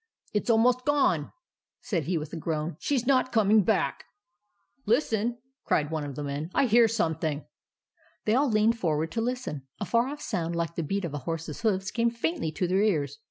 It 's almost gone," said he, with a groan. " She 's not coming back." " Listen !" cried one of the men. " I hear something." They all leaned forward to listen. A far off sound like the beat of a horse's hoofs came faintly to their ears.